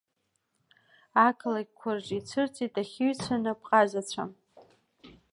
Ақалақьқәа рҿы ицәырҵит ахьиҩцәа, анапҟазацәа…